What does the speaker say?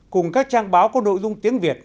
cùng các trang báo có nội dung tiếng việt